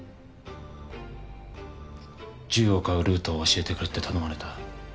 銃を買うルートを教えてくれって頼まれた。